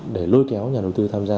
để lôi kéo nhà đầu tư tham gia